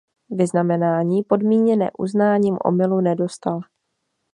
Vyznamenání podmíněné uznáním omylu nedostal.